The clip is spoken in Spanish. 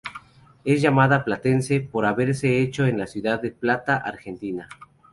Es llamada "Platense" por haberse hecho en la ciudad de La Plata, Argentina.